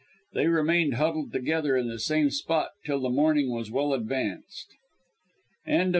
They remained huddled together in the same spot till the morning was well advanced.